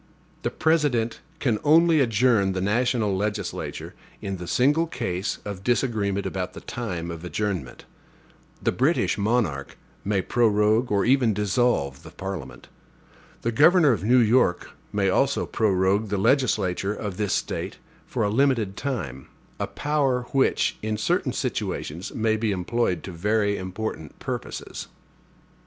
The President can only adjourn the national legislature in the single case of disagreement about the time of adjournment. The British monarch may prorogue or even dissolve the Parliament. The governor of New York may also prorogue the legislature of this State for a limited time; a power which, in certain situations, may be employed to very important purposes.